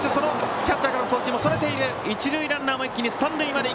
キャッチャーからの送球もそれて一塁ランナーも一気に三塁まで。